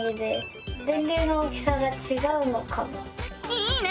いいね！